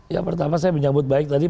ya pertama saya menyambut baik tadi